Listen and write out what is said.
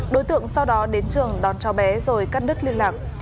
đối tượng sau đó đến trường đón cháu bé rồi cắt đứt liên lạc